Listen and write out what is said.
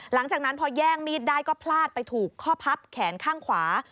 หลังจากนั้นพอแย่งมีดได้ก็พลาดไปถูกข้อพับแขนข้างขวา